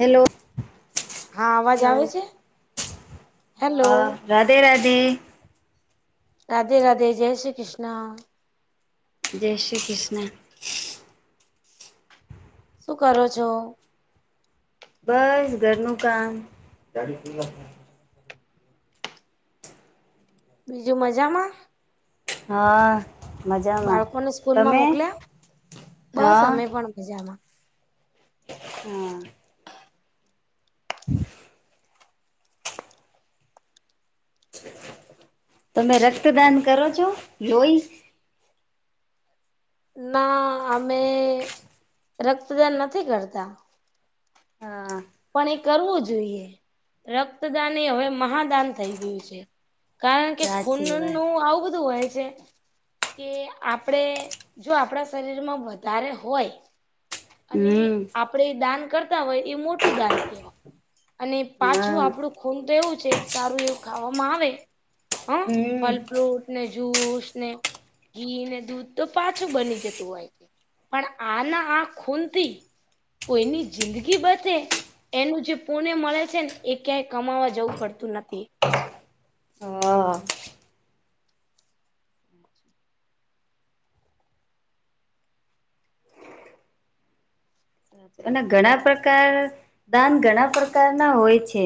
Hello હા અવાજ hello આવે છે હેલો હા. રાધે રાધે. રાધે રાધે જય શ્રી કિશના. જય શ્રી કિશના. શું કરો છો. બસ ઘરનું કામ. બીજું મજામાં. હા. મજામાં બાળકોને સ્કૂલમાં તમે મોકલ્યા બસ હા અમે પણ મજામાં. હા. હમ. તમે રક્તદાન કરો છો જોઈ. ના અમે રક્તદાન નથી કરતા. હા પણ એ કરવું જોઈએ રક્તદાન એ હવે મહાદાન થઈ ગયું છે. કારણ કે સાચી વાત ખૂનનુંું આવું બધું હોય છે. કે આપડે જો આપણા શરીરમાં વધારે હોય. અને હમ આપડે દાન કરતા હોય એ મોટું દાન કેવાય. અને પાછું હા આપણું ખૂન તો એવું છે સારું એવું ખાવામાં આવે. હ હમ ફલ ફ્રૂટ. ને જુસ ને ઘી ને દૂધ તો પાછું બની જતું હોય. પણ આ ના આ ખૂનથી કોઈની જિંદગી બસે. એનું જે પુણે મળે છે ને એ ક્યાંય કમાવા જવું પડતું નથી. હા. અને ઘણા પ્રકાર દાન ઘણા પ્રકારના હોય છે.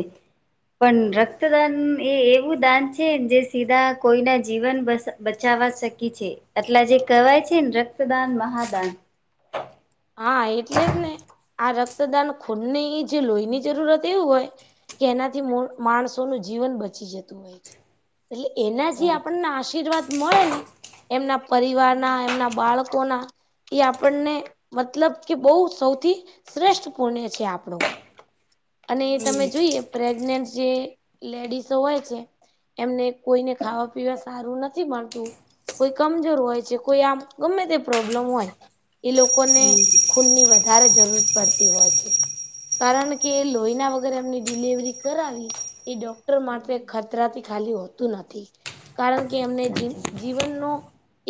પણ રક્તદાન એ એવું દાન છે જે સીધા કોઈના જીવન બસ. બચવા શકી છે એટલા જે કહેવાય છે ને રક્તદાન મહાદાન. હા એટલે જ ને આ રક્તદાન ખૂનની જે લોહીની જરૂરત એવું હોય. કે એનાથી માણસોનુંું જીવન બચી જતું હોય છે. એટલે એના જે સાચું આપણને આશીર્વાદ મળે ને. એમના પરિવારના એમના બાળકોના એ આપણને. મતલબ કે બહુ સૌથી શ્રેષ્ઠ પુણ્ય છે આપણું. અને એ સાચી તમે જોઈએ પ્રેગ્નેન્ટજે લેડીસો હોય છે. એમને કોઈને ખાવા પીવા સારું નથી મળતું. કોઈ કમજોર હોય છે કોઈ આમ ગમે તે પ્રોબ્લેમ હોય એ લોકો. લોકોને ખૂનની વધારે જરૂર પડતી હોય છે. કારણ કે લોહીના વગરે એમની ડિલવરી કરાવી. એ ડોક્ટર માટે ખતરાથી ખાલી હોતું નથી. કારણ કે એમને જીવનનો.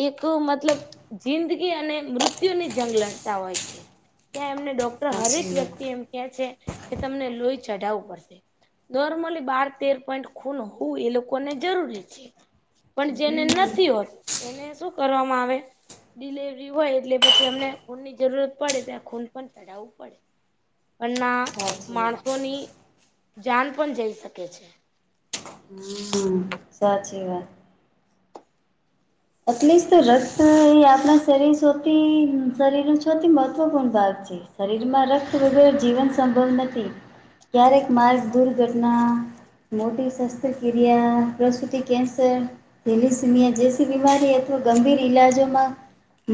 એક મતલબ જિંદગી અને મૃત્યુની. જંગ લડતા હોય છે ત્યાં એમને ડોક્ટર વાત હરેક સાચી વ્યક્તિ વાત એમ. એ છે કે તમને લોહી ચઢાવવું પડશે. નોર્મલી બાર તેર પોઈન્ટ ખૂન હોવું એ લોકોને જરૂરી છે. પણ જેને નથી હોતું એને શું કરવામાં આવે ડિલેવરી હોય એટલે પછી. એમને ખૂનની જરૂરત પડે ત્યા ખૂન પણ ચઢાવવું પડે પણના. સાચી વાત માણસોની જાન પણ જઈ શકે છે. હમ સાચી વાત. એટલે જ તો રક્ત એ આપણા શરીર સૌથી શરીર નું સૌથી મહત્વપૂર્ણ ભાગ છે. શરીરમાં રક્ત વગેર જીવન સંભવ નથી. ક્યારેક માર્ગ દુર્ઘટના. મોટી શસ્ત્રક્રિયા પ્રસુતિ કેન્સર હલીસીમિયા જે. બીમારી અથવા ગંભીર ઈલાજોમાં.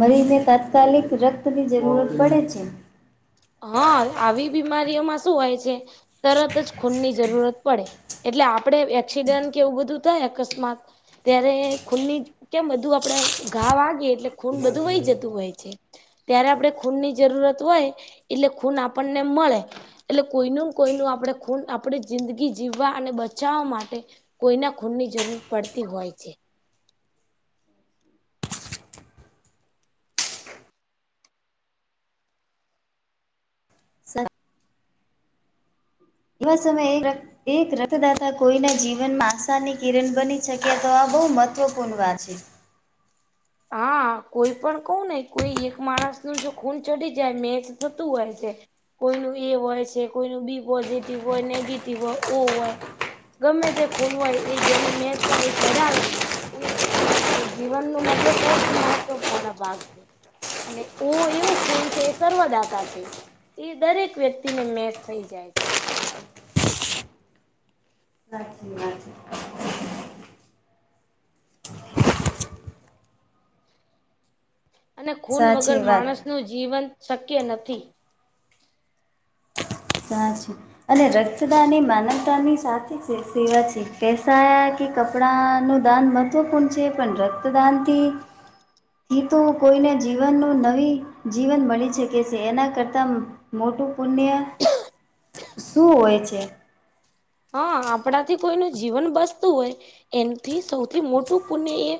મરીજ ને તાત્કાલિક રક્તની જરૂરત પડે છે. હ આવી બીમારીઓમાં શું હોય છે. તરતજ ખૂનની જરૂરત પડે એટલે આપડે એક્સિડન્ટ કે એવું બધું થાય અકસ્માત. ત્યારે ખૂનની કેમ બધું આપડે ઘા વાગી એટલે. ખૂન બધું વહી જતું હોય છે ત્યારે આપડે ખૂન ની જરૂરત હોય. એટલે ખૂન આપણને મળે. એટલે કોઈનું કોઈનું આપણે ખૂન આપણી જિંદગી જીવવા અને બચાવવા માટે. કોઈના ખૂન ની જરૂર પડતી હોય છે. સા. એવા સમયે રક્ત. એક રક્તદાતા કોઈના જીવનમાં આશાની કિરણ બની શકે તો આ બહુ મહત્વપૂર્ણ વાત છે. હા કોઈ પણ કવ ને કોઈ એક માણસ નું જો ખૂન ચડી જાય મેચ થતું હોય છે. કોઈનું એ હોય છે કોઈનું બી પોઝિટિવ હોય નેગેટિવ હોય ઓ હોય. ગમે તે ખૂન હોય એ જેને મેસ થાય એ ચડાવે. એ જ જીવન ન મતલબ સૌથી મહત્વપૂર્ણ ભાગ છે. અને ઓ એવું ખૂન છે સર્વદાતા છે. એ દરેક વ્યક્તિ ને મેસ થઈ જાય છે. રાચી વાત છે. અને ખૂન વગર સાચી વાત માણસ નું જીવન શક્ય નથી. સાચ અને રક્ત દાન એ માનવતાની સાચી છે સેવા છે પસા. કે કપડા નું દાન મહત્વપૂર્ણ છે પણ રક્તદાનથી. હ તો કોઈને જીવનનું નવી જીવન બની શકે છે એના કરતાં. મોટું પુણ્ય. શું હોય છે. હા આપણાથી કોઈનું જીવન બસતું હોય એનથી સૌથી મોટું પુણ્ય એ.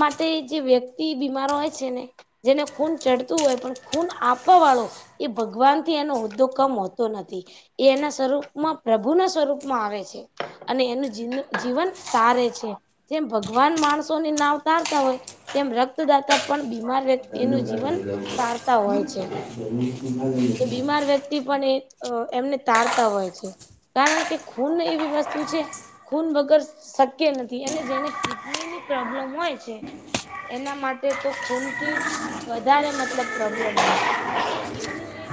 માટે જે વ્યક્તિ બીમાર હોય છે ને. જેને ખૂન ચડતું હોય પણ ખૂન આપવા વાળો. એ ભગવાન થી એનો હોદ્દો કમ હોતો નથી એ એના સ્વરૂપમાં પ્રભુના સ્વરૂપ. માં આવે છે અને એનું જ જીવન તારે છે. જેમ ભગવાન માણસોની નાવ તારતા હોય. તેમ રક્તદાતા પણ બીમાર વ્યક્તિનું જીવન તારતા હોય છે. તો બીમાર વ્યક્તિ પણ એ એમને તારતા હોય છે કારણ કે. ખૂન એવી વસ્તુ છે. ખૂન વગર શક્ય નથી અને જેને કિડની ની પ્રોબ્લેમ હોય છે. એના માટે તો ખૂનથી વધારે મતલબ પ્રોબ્લેમ હોય છે કારણ કે, કિડની એ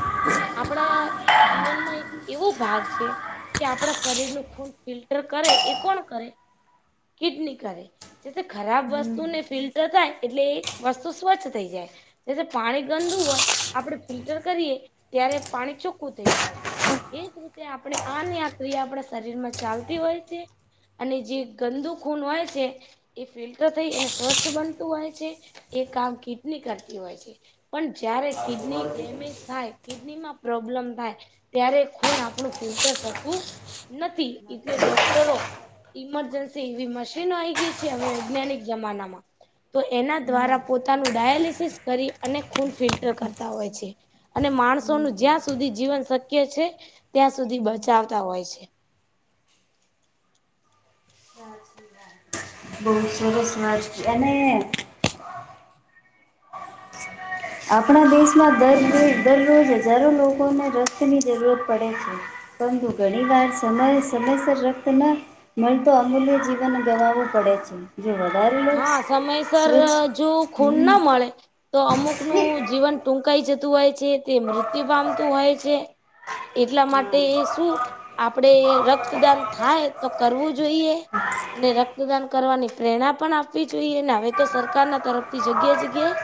આપડા જીવનમાં એક એવો ભાગ છે કે આપણા શરીર નું ખૂન ફિલ્ટર કરે એ કોણ કરે કિડની કરે. જે ખરાબ હમ. વસ્તુને ફિલ્ટર થાય એટલે એ વસ્તુ સ્વચ્છ થઈ જાય. જે પાણી ગંદુ હોય આપડે ફિલ્ટર કરીએ ત્યારે પાણી ચોખ્ખું થઈ જાય છે. એજ રીતે આપણે આની આ ક્રિયા આપણા શરીર માં ચાલતી હોય છે. અને જે ગંદુ ખૂન હોય છે. એ ફિલ્ટર થઈ અને સ્વચ્છ બનતું હોય છે એ કામ કિડની કરતી હોય છે. પણ જ્યારે કિડની ડેમેજ થાય કિડની માં પ્રોબ્લેમ થાય. ત્યારે ખૂન આપણું ફિલ્ટર થતું નથી એટલે ડોક્ટરો ઇમરજન્સી એવી મશીનો આવી ગઈ છે હવે વૈજ્ઞાનિક જમાનામાં. તો એના દ્વારા પોતાનું ડાયાલિસિસ કરી અને ખૂન ફિલ્ટર કરતા હોય છે. અને માણસો ન જ્યાં સુધી જીવન શક્ય છે ત્યાં સુધી બચાવતા હોય છે. [inaudible] બહુ [inaudible] આપણા દેશમાં દરરો દરરોજ હજારો લોકોને રસીની જરૂરત પડે છે. પરંતુ ઘણી વાર સમય સમયસર રક્ત ન મને તો અમૂલ્ય જીવન ગવાવું પડે છે. જો [inaudible] હા સમયસર સ્વચ્છ જો ખૂન હમ ના મળે તો અમુક નું જીવન ટૂંકાઈ જતું હોય છે તે મૃત્યુ પામતું હોય છે. એટલા માટે એ હા શું? આપડે રક્તદાન થાય તો કરવું જોઈએ. ને રક્તદાન કરવાની પ્રેરણા પણ આપવી જોઈએ ને હવે તો સરકાર ના તરફથી જગ્યા જગ્યા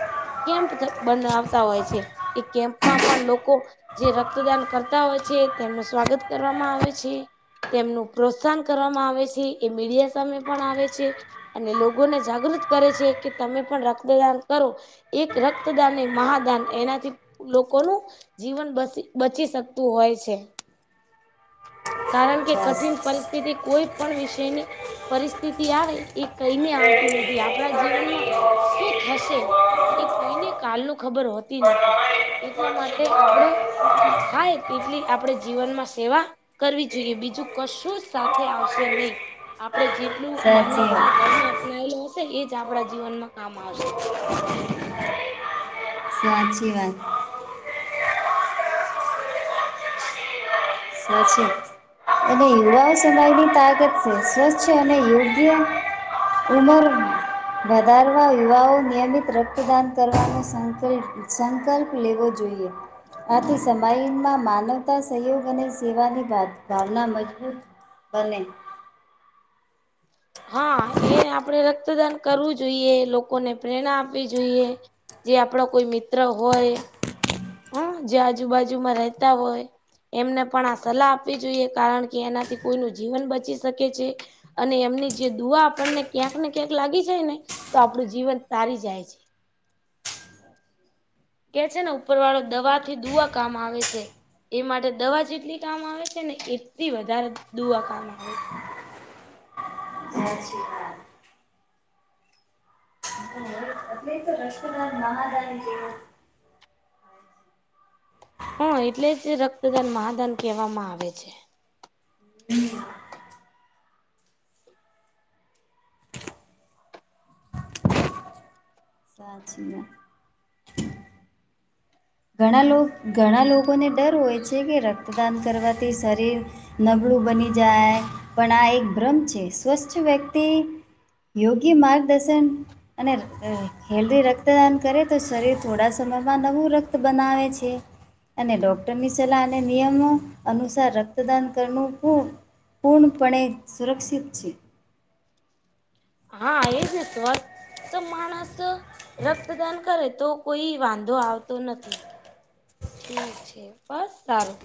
કેમ્પ બનાવતા હોય છે એ કેમ્પ માં પણ લોકો જે રક્તદાન કરતા હોય છે તેમનું સ્વાગત કરવામાં આવે છે. તેમનું પ્રોત્સાહન કરવામાં આવે છે એ મીડિયા સામે પણ આવે છે. અને લોકોને જાગૃત કરે છે કે તમે પણ રક્તદાન કરો. એક રક્તદાન મહાદાન એનાથી લોકોનું. જીવન બ બચી શકતું હોય છે. [inaudible] કારણ કે કઠિન બસ પરિસ્થિતિ કોઈ પણ વિષયની પરિસ્થિતિ આવે. એ કઈને આવતી નથી આપણા જીવનમાં શું થશે એ કોઈને કાલ નુ ખબર હોતી નથી. એટલા માટે આપણે થાય એટલી આપણે જીવનમાં સેવા કરવી જોઈએ બીજું કશું જ સાથે આવશે નહી આપણે જે એટલું સાચી માનવતા વાત ધર્મ અપનાયેલો હશે એ જ આપણા જીવનમાં કામ આવશે. હાચી વાત. [unintelligible] અનેય યુવાઓ સમયની તાકાત [unintelligible] ઉંમર વધારવા યુવાઓ નિયમિત રક્તદાન કરવાનો સંકલ્પ સંકલ્પ લેવો જોઈએ. આથી સમાયમાં માનવતા સહયોગ અને સેવાની [unintelligible] મજબૂત બને. હા એ આપણેે રક્તદાન કરવું જોઈએ લોકોને પ્રેરણા આપવી જોઈએ. જે આપણો કોઈ મિત્ર હોય. હમ જે આજુબાજુમાં રહેતા હોય. એમને પણ આ સલાહ આપવી જોઈએ કારણ કે એનાથી કોઈનું જીવન બચી શકે છે. અને એમની જે દુઆ આપણને ક્યાંક ને ક્યાંક લાગી જાય ને તો આપણું જીવન તારી જાય છે કે છે ને ઉપર વાળો દવા થી દુઆ કામ આવે છે એ માટે દવા જેટલી કામ આવે છે ને એટલી વધારે દુઆ કામ આવે છે સાત શ્રી રષ્લાલ મહજાય જેવું હા એટલે જ રક્તદાન મહાદાન કહેવામાં આવે છે સ છી ઘણા લોકો ઘણા લોકોને ડર હોય છે કે રક્તદાન કરવાથી શરીર નબળું બની જાય પણ આ એક ભ્રમ છે સ્વચ્છ વ્યક્તિ યોગી માર્ગદર્શન અને હેલ્ધી રક્તદાન કરે તો શરીર થોડા સમયમાં નવું રક્ત તો બનાવેે છે અને ડોક્ટરની સલાહ અને નિયમો અનુસાર રક્તદાન કરું પૂર્ણપણે સુરક્ષિત છે હા એ જ સ્વસ્ તો માણસ રક્તદાન કરે તો કોઈ વાંધો આવતો નથી ઠીક છે બસ સારું